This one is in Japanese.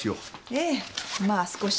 ええまあ少しずつ。